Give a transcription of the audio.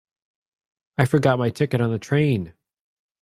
I forgot my ticket on the train.